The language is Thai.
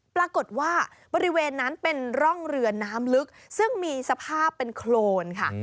ปรากฏว่าบริเวณนั้นเป็นร่องเรือน้ำลึกซึ่งมีสภาพเป็นโครนค่ะ